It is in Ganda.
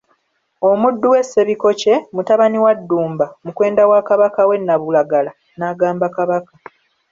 Omuddu we Ssebikokye, mutabani wa Ddumba Mukwenda wa Kabaka w'e Nnabulagala, n'agamba Kabaka.